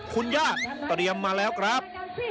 คุณย่าเตรียมมาแล้วครับ